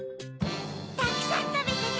たくさんたべてね。